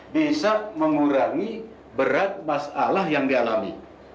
bisa mengurangi berat masalah yang dialami